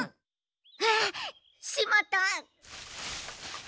あっしまった！